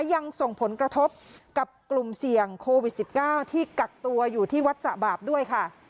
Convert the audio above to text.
ยังส่งผลกระทบกับกลุ่มเสี่ยงโควิด๑๙ที่กักตัวอยู่ที่วัดสะบาปด้วยค่ะ